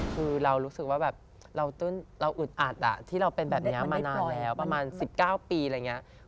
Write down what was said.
คือเรารู้สึกว่าแบบเราอึดอัดที่เราเป็นแบบนี้มานานแล้วประมาณ๑๙ปีอะไรอย่างนี้